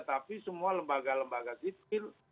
tapi semua lembaga lembaga sipil